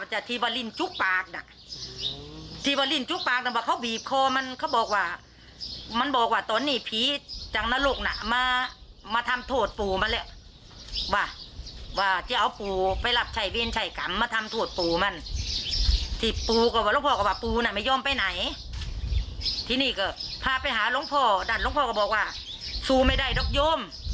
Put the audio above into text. หลังจากนั้นลูกพ่อก็บอกว่าสู้ไม่ได้รกยม